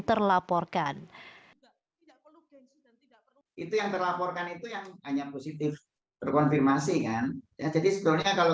terlaporkan itu yang terlaporkan itu yang hanya positif terkonfirmasi kan jadi sebenarnya kalau